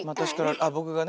あ僕がね。